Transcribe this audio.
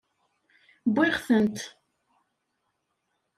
Wwiɣ-tent.